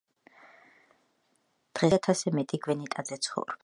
დღესდღეობით საქართველოში ორი ათასზე მეტი გვენეტაძე ცხოვრობს.